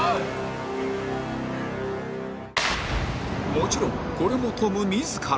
もちろんこれもトム自ら